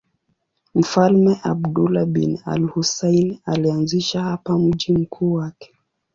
Mfalme Abdullah bin al-Husayn alianzisha hapa mji mkuu wake.